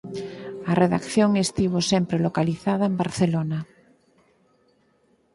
A redacción estivo sempre localizada en Barcelona.